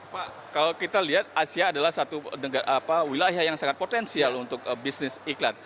pak kalau kita lihat asia adalah satu wilayah yang sangat potensial untuk bisnis iklan